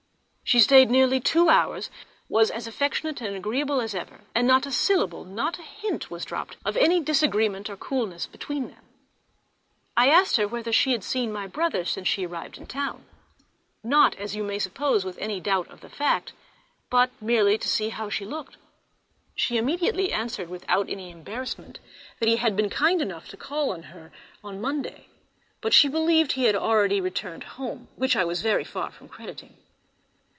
She stayed nearly two hours, was as affectionate and agreeable as ever, and not a syllable, not a hint was dropped, of any disagreement or coolness between them. I asked her whether she had seen my brother since his arrival in town; not, as you may suppose, with any doubt of the fact, but merely to see how she looked. She immediately answered, without any embarrassment, that he had been kind enough to call on her on Monday; but she believed he had already returned home, which I was very far from crediting.